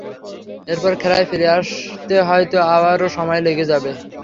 এরপর খেলায় ফিরে আসতে হয়তো আরও সময় লেগে যাবে।